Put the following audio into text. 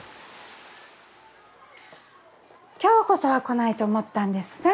今日こそは来ないと思ったんですが。